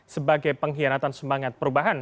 sebagai pengkhianatan semangat perubahan